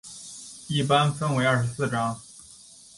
一般分为二十四章。